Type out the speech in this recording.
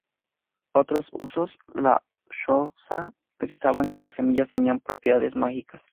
Otros usos: Los xhosa pensaban que las semillas tenían propiedades mágicas.